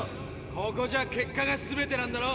ここじゃ結果がすべてなんだろ。